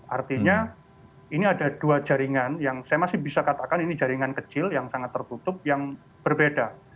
artinya ini ada dua jaringan yang saya masih bisa katakan ini jaringan kecil yang sangat tertutup yang berbeda